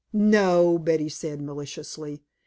"No," Betty said maliciously.